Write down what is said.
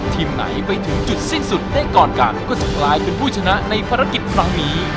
ทีมไหนไปถึงจุดสิ้นสุดได้ก่อนกันก็จะกลายเป็นผู้ชนะในภารกิจครั้งนี้